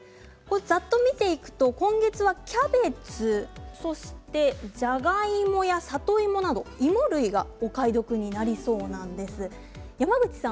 ざっと見ていくと今月はキャベツそしてじゃがいもや里芋など芋類がお買い得になりそうなんです。